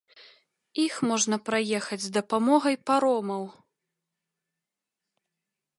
Іх можна праехаць з дапамогай паромаў.